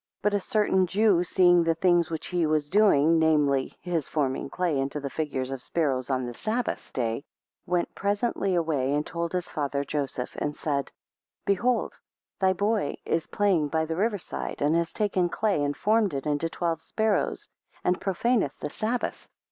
5 But a certain Jew seeing the things which he was doing, namely, his forming clay into the figures of sparrows on the Sabbath day, went presently away, and told his father Joseph, and said, 6 Behold, thy boy is playing by the river side, and has taken clay, and formed it into twelve sparrows, and profaneth the Sabbath.